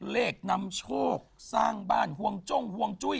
เลขนำโชคสร้างบ้านห่วงจงห่วงจุ้ย